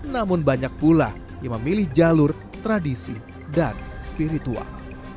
namun banyak pula yang memilih jalur tradisi dan spiritual